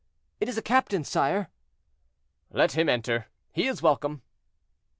"It is a captain, sire." "Let him enter; he is welcome."